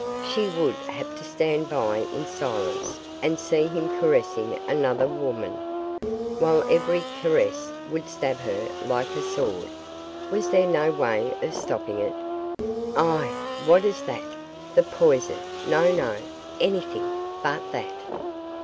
She would have to stand by in silence and see him caressing another woman, while every caress would stab her like a sword. Was there no way of stopping it? Ah! what is that? The poison no! no! anything but that.